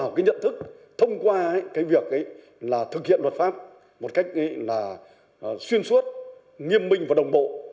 bộ công an nhận thức thông qua việc thực hiện luật pháp một cách xuyên suốt nghiêm minh và đồng bộ